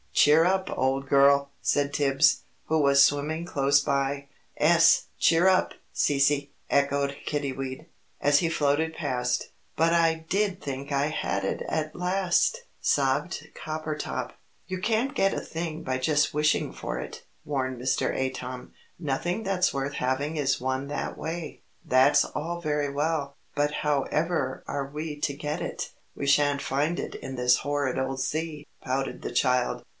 "Cheer up, old girl!" said Tibbs, who was swimming close by. "'Es, cheer up, Cece!" echoed Kiddiwee, as he floated past. "But I did think I had it at last!" sobbed Coppertop. [Illustration: The Albatross and the Sea Maidens (p. 58).] "You can't get a thing by just 'wishing' for it," warned Mr. Atom. "Nothing that's worth having is won that way." "That's all very well, but however are we to get it? We shan't find it in this horrid old sea," pouted the child.